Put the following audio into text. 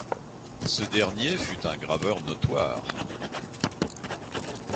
Ce dernier fut un graveur notoire.